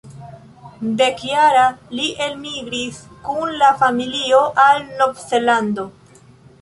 Dekjara, li elmigris kun la familio al Novzelando.